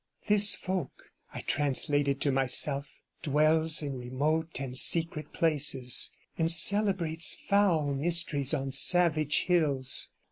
'This folk,' I translated to myself, 'dwells in remote and secret places, and celebrates foul mysteries on savage hills.